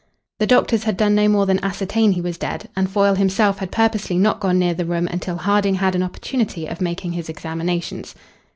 The doctors had done no more than ascertain he was dead, and Foyle himself had purposely not gone near the room until Harding had an opportunity of making his examinations.